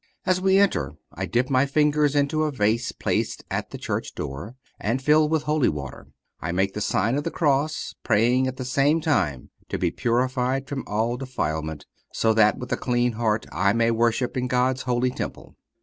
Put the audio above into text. As we enter I dip my fingers into a vase placed at the church door, and filled with holy water, and I make the sign of the cross, praying at the same time to be purified from all defilement, so that with a clean heart I may worship in God's holy temple.